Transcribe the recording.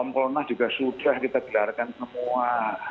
kompolnas juga sudah kita gelarkan semua